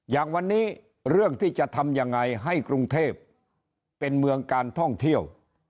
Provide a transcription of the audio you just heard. อย่างวันนี้เรื่องที่จะทำยังไงให้กรุงเทพเป็นเมืองการท่องเที่ยว